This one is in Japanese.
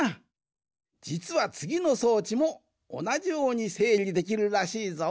じつはつぎの装置もおなじようにせいりできるらしいぞ。